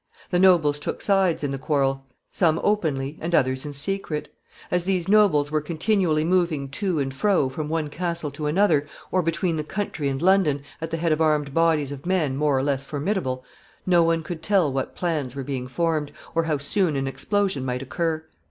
The nobles took sides in the quarrel, some openly and others in secret. As these nobles were continually moving to and fro from one castle to another, or between the country and London, at the head of armed bodies of men more or less formidable, no one could tell what plans were being formed, or how soon an explosion might occur.